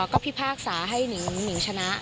ก็พิพากษาให้หิงชนะ